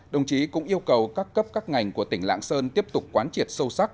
đồng chí cũng yêu cầu các cấp các ngành của tỉnh lạng sơn tiếp tục quán triệt sâu sắc